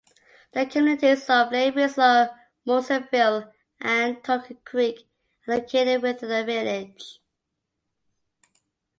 The communities of Lake Windsor, Morrisonville, and Token Creek are located within the village.